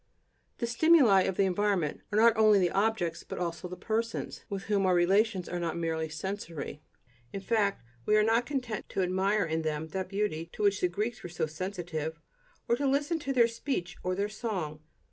The stimuli of the environment are not only the objects, but also the persons, with whom our relations are not merely sensory. In fact, we are not content to admire in them that beauty to which the Greeks were so sensitive, or to listen to their speech or their song.